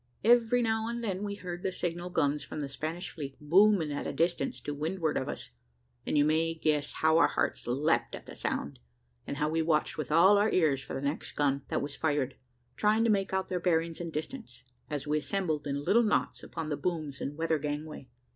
Every now and then we heard the signal guns of the Spanish fleet booming at a distance to windward of us, and you may guess how our hearts leaped at the sound, and how we watched with all our ears for the next gun that was fired, trying to make out their bearings and distance, as we assembled in little knots upon the booms and weather gangway.